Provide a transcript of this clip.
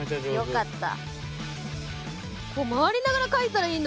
よかった。